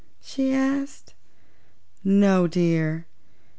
she asked. "No, dear.